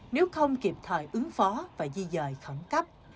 nếu không kịp thời ứng phó và di dời khẩn cấp